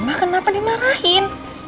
ma kenapa di marahin